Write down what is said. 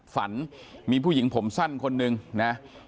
ฝันมีผู้หญิงผมสั้นคนนึงนะ